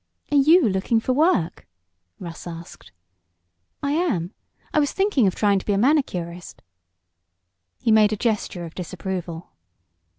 "Are you looking for work?" Russ asked. "I am. I was thinking of trying to be a manicurist " He made a gesture of disapproval.